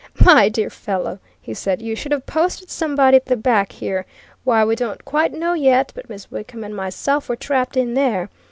"My dear fellow," he said, "you should have posted somebody at the back here. Why, we don't quite know yet, but Miss Wickham and myself were trapped in there.